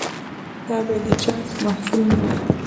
دا باید د چانس محصول نه وي.